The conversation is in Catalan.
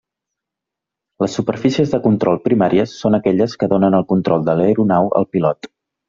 Les superfícies de control primàries són aquelles que donen el control de l'aeronau al pilot.